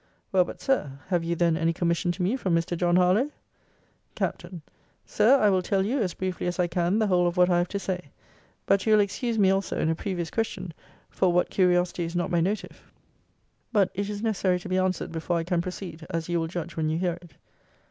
Well but, Sir, have you then any commission to me from Mr. John Harlowe? Capt. Sir, I will tell you, as briefly as I can, the whole of what I have to say; but you'll excuse me also in a previous question, for what curiosity is not my motive; but it is necessary to be answered before I can proceed; as you will judge when you hear it.